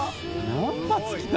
何発来た？